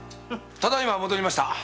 ただ今戻りました。